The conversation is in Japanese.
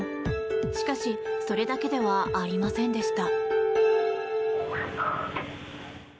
しかしそれだけではありませんでした。